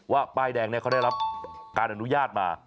ป้ายแดงเขาได้รับการอนุญาตมา